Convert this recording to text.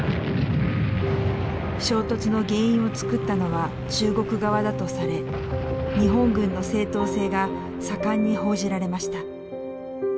衝突の原因をつくったのは中国側だとされ日本軍の正当性が盛んに報じられました。